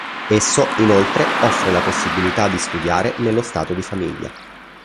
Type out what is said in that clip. Esso inoltre offre la possibilità di studiare nello stato di famiglia.